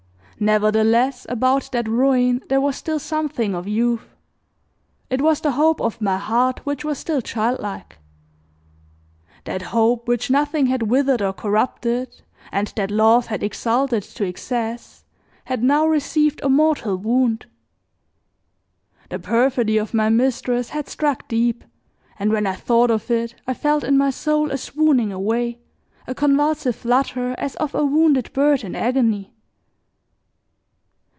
Nevertheless, about that ruin there was still something of youth: it was the hope of my heart which was still childlike. That hope, which nothing had withered or corrupted and that love had exalted to excess, had now received a mortal wound. The perfidy of my mistress had struck deep, and when I thought of it, I felt in my soul a swooning away, a convulsive flutter as of a wounded bird in agony.